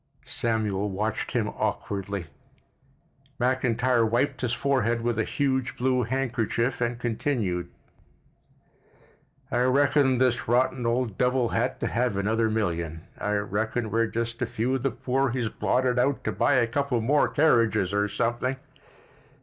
Samuel watched him awkwardly. McIntyre wiped his forehead with a huge blue handkerchief, and continued: "I reckon this rotten old devil had to have another million. I reckon we're just a few of the poor he's blotted out to buy a couple more carriages or something."